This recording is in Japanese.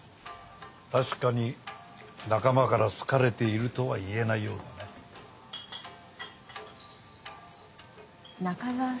確かに仲間から好かれているとは言えないようだね。